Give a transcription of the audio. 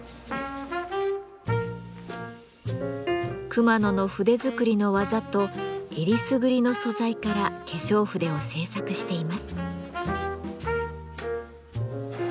熊野の筆作りの技とえりすぐりの素材から化粧筆を製作しています。